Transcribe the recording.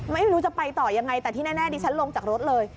ไม่รู้จะไปต่อยังไงแต่ที่แน่ดิฉันลงจากรถเลย